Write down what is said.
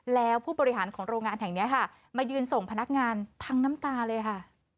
แล้วผู้บริหารของโรงงานแห่งนี้ค่ะมายืนส่งพนักงานทั้งน้ำตาเลยค่ะ